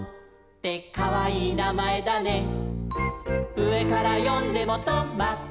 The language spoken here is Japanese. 「うえからよんでもト・マ・ト」